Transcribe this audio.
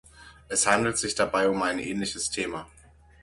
Es handelt sich dabei um ein ähnliches Thema.